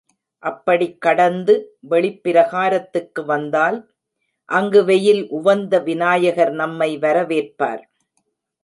அப்படிச் கடந்து வெளிப்பிரகாரத்துக்கு வந்தால் அங்கு வெயில் உவந்த விநாயகர் நம்மை வரவேற்பார்.